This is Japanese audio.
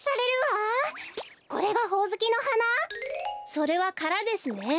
それはからですね。